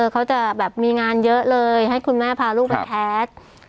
เขาจะแบบมีงานเยอะเลยให้คุณแม่พาลูกไปแคส